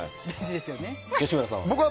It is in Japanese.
吉村さんは？